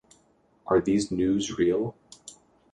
Are these news real?